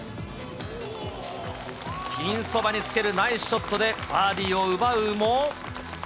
ピンそばにつけるナイスショットでバーディーを奪うも。